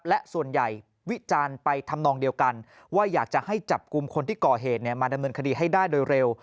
และส่วนใหญ่วิจารณ์ไปทำนองเดียวกันว่าอยากจะให้จับกลุ่มคนที่ก่อเหตุมาดำเนินคดีให้ได้โดยเร็ว